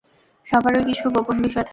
সবারই কিছু গোপন বিষয় থাকে।